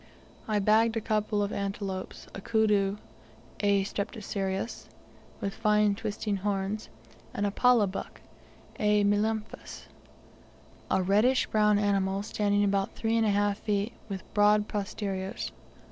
I bagged a couple of antelopes, a kudu (A. strepsiceros) with fine twisting horns, and a pallah buck (A. melampus), a reddish brown animal, standing about three and a half feet, with broad posteriors.